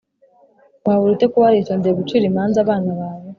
wabura ute kuba waritondeye gucira imanza abana bawe,